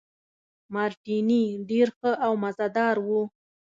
مارټیني ډېر ښه او مزه دار وو.